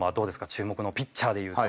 注目のピッチャーでいうと。